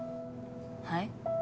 はい？